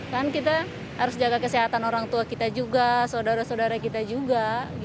kan kita harus jaga kesehatan orang tua kita juga saudara saudara kita juga